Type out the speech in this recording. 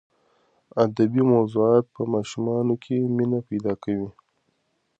ادبي موضوعات په ماشومانو کې مینه پیدا کوي.